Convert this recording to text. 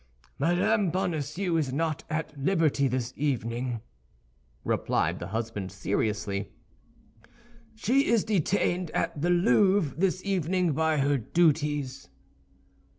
"Madame Bonacieux is not at liberty this evening," replied the husband, seriously; "she is detained at the Louvre this evening by her duties."